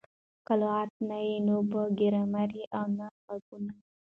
که لغت نه يي؛ نه به ګرامر يي او نه ږغونه.